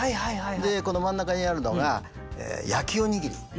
でこの真ん中にあるのが焼きおにぎり。